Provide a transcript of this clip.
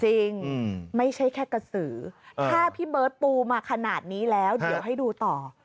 จริงไม่ใช่แค่กระสือถ้าพี่เบิร์ตปูมาขนาดนี้แล้วเดี๋ยวให้ดูต่อ